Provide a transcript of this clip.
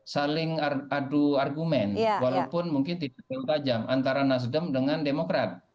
saling adu argumen walaupun mungkin tidak terlalu tajam antara nasdem dengan demokrat